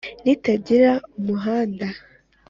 ritagira umuhunda